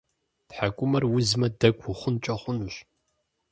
ТхьэкӀумэр узмэ, дэгу ухъункӀэ хъунущ.